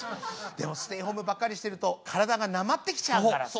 でもステイホームばかりしてると体がなまってきちゃうからさ。